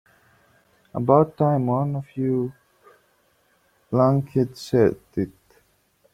About time one of you lunkheads said it.